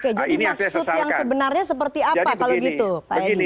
oke jadi maksud yang sebenarnya seperti apa kalau gitu